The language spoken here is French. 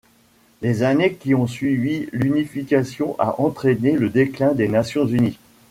Les années qui ont suivi l'unification a entraîné le déclin des Nations unies.